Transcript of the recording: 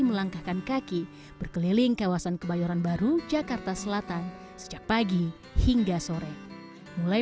melangkahkan kaki berkeliling kawasan kebayoran baru jakarta selatan sejak pagi hingga sore mulai